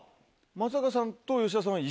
松坂さんと吉田さんは一緒。